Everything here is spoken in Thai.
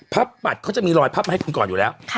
ปัดเขาจะมีรอยพับมาให้คุณก่อนอยู่แล้ว